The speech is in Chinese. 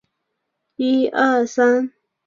灵吸怪是雌雄同体的生物。